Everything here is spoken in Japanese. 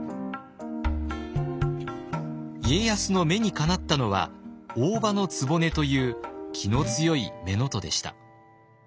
家康の目にかなったのは大姥局という気の強い乳母でした。